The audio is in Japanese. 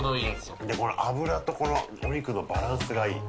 この脂とこのお肉のバランスがいい。